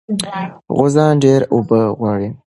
غوزان ډېرې اوبه غواړي.